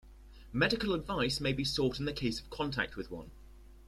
Medical advice may be sought in case of contact with one.